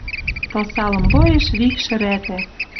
Тылсалым лоэш вик шӹрӓтӓ